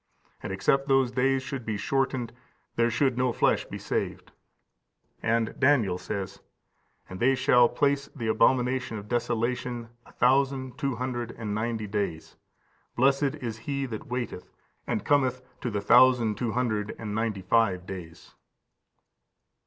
And except those days should be shortened, there 218should no flesh be saved."15411541 Matt. xxiv. 15–22; Mark xiii. 14–20; Luke xxi. 20–23. And Daniel says, "And they shall place the abomination of desolation a thousand two hundred and ninety days. Blessed is he that waiteth, and cometh to the thousand two hundred and ninety five days."